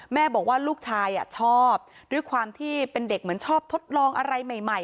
แม่บอกว่าลูกชายชอบด้วยความที่เป็นเด็กเหมือนชอบทดลองอะไรใหม่